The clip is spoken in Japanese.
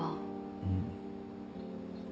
うん。